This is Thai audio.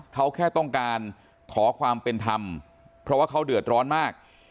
เขาแค่ต้องการขอความเป็นธรรมเพราะว่าเขาเดือดร้อนมาก